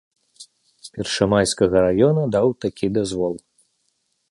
Першамайскага раёна даў такі дазвол.